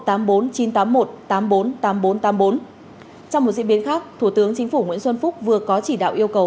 trong một diễn biến khác thủ tướng chính phủ nguyễn xuân phúc vừa có chỉ đạo yêu cầu